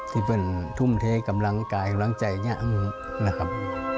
ที่เป็นทุ่มเทกำลังกายกำลังใจเนี่ยนะครับ